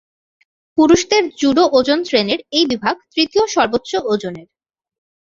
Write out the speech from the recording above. পুরুষদের জুডো ওজন শ্রেণীর এই বিভাগ তৃতীয় সর্বোচ্চ ওজনের।